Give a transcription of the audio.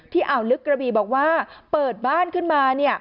อ่าวลึกกระบีบอกว่าเปิดบ้านขึ้นมา